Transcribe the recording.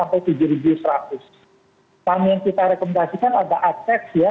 paham yang kita rekomendasikan ada atas ya